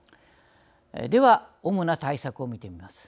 では主な対策を見てみます。